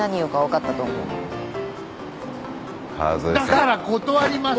だから断ります！